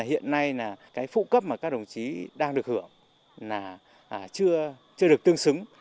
hiện nay phụ cấp mà các đồng chí đang được hưởng là chưa được tương xứng